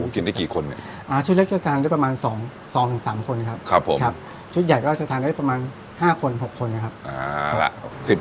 กินได้กี่คนเนี่ยชุดแรกจะทานได้ประมาณ๒๓คนครับผมครับชุดใหญ่ก็จะทานได้ประมาณ๕คน๖คนนะครับ